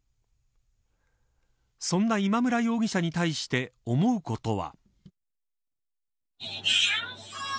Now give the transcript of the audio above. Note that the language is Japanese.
そんな、今村容疑者に対して思うことは。